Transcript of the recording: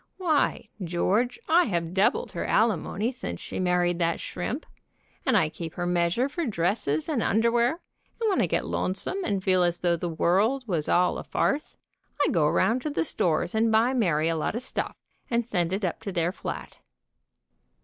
Why, George, I have doubled her alimony since she married that shrimp, and I keep her measure for dresses and underwear, and when I get lonesome and feel as though the world was all a farce, I go around to the stores and buy Mary a lot of stuff, and send it up to their flat."